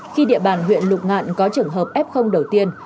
khi địa bàn huyện lục ngạn có trường hợp f đầu tiên